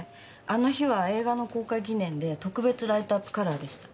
あの日は映画の公開記念で特別ライトアップカラーでした。